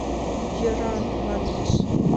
— Йӧра, — манеш.